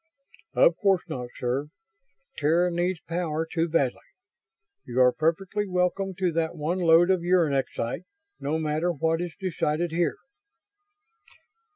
"Of course not, sir. Terra needs power too badly. You are perfectly welcome to that one load of uranexite, no matter what is decided here."